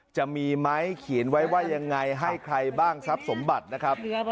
จะมีไหมเขียนไว้ว่ายังไงให้ใครบ้างทรัพย์สมบัตินะครับ